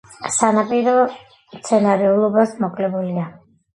სანაპირო მცენარეულობას მოკლებულია.